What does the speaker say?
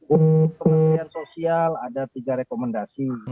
untuk kementerian sosial ada tiga rekomendasi